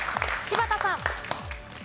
柴田さん。